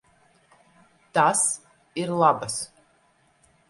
Tas ir labas.